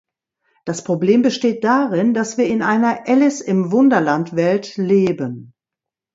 Das Problem besteht darin, dass wir in einer Alice-im-Wunderland-Welt leben.